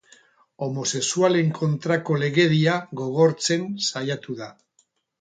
Homosexualen kontrako legedia gogortzen saiatu da.